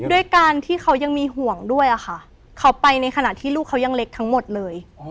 ด้วยการที่เขายังมีห่วงด้วยค่ะเขาไปในขณะที่ลูกเขายังเล็กทั้งหมดเลย